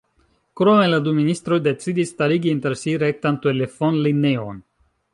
Krome la du ministroj decidis starigi inter si rektan telefonlineon.